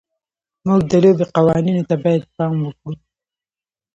موږ د لوبې قوانینو ته باید پام وکړو.